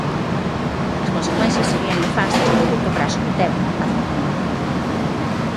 As consecuencias serían nefastas nun curto prazo de tempo, advertiu.